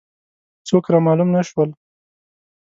څوک را معلوم نه شول.